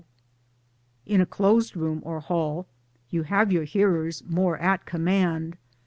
In a closed room or hall you have your hearers more at command.